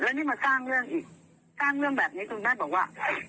แล้วนี่มาสร้างเรื่องอีกสร้างเรื่องแบบนี้คุณแม่บอกว่า